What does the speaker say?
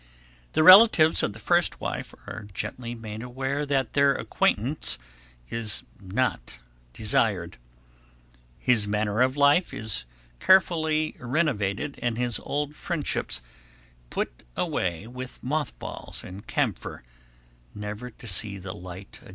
The relatives of the first wife are gently made aware that their acquaintance is not desired. His manner of life is carefully renovated and his old friendships put away with moth balls and camphor, never to see the light again.